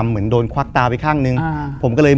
คือก่อนอื่นพี่แจ็คผมได้ตั้งชื่อเอาไว้ชื่อว่าย่าเผา